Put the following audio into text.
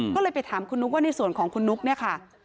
ก็เลยไปถามคุณนุ๊กว่าในส่วนของคุณนุ๊กเนี่ยค่ะ